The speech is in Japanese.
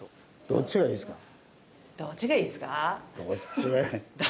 どっちがいいですかね？